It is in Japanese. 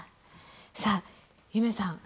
さあ夢さん。